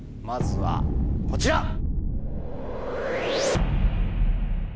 まずはこちら！